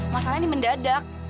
masalahnya ini mendadak